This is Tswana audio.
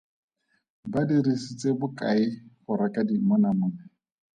Ba dirisitse bokae go reka dimonamone?